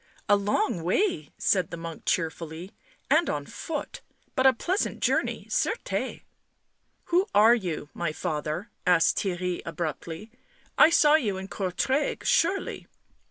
" A long way," said the monk cheerfully. " And on foot, but a pleasant journey, certes." " Who are you, my father?" asked Theirry abruptly. " I saw you in Courtrai, surely."